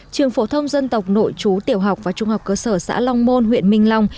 trường phổ thông dân tộc nội chú tiểu học và trung học cơ sở xã long môn huyện minh long